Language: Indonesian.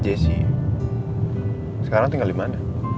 jessy sekarang tinggal dimana